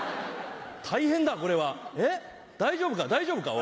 大変だこれはえっ大丈夫か大丈夫か？